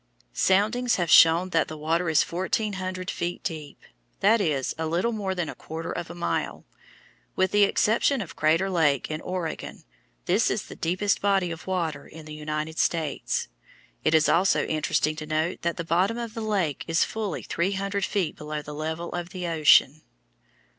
Soundings have shown that the water is fourteen hundred feet deep; that is, a little more than a quarter of a mile. With the exception of Crater Lake, in Oregon, this is the deepest body of water in the United States. It is also interesting to note that the bottom of the lake is fully three hundred feet below the level of the ocean.